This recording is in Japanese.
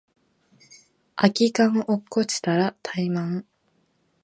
空き缶落っこちたらタイマン